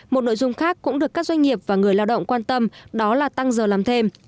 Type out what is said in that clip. một nội dung khác cũng được các doanh nghiệp và người lao động quan tâm đó là tăng giờ làm thêm